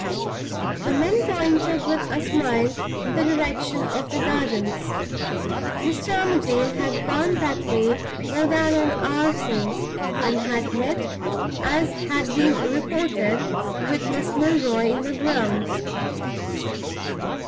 The men pointed with a smile in the direction of the gardens; Mr. Armadale had gone that way more than an hour since, and had met (as had been reported) with Miss Milroy in the grounds.